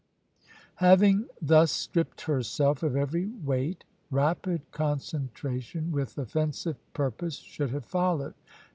Having thus stripped herself of every weight, rapid concentration with offensive purpose should have followed.